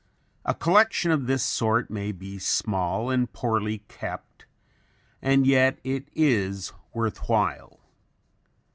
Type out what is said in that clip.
A collection of this sort may be small and poorly kept and yet it is worth while.